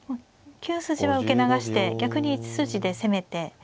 ９筋は受け流して逆に１筋で攻めて。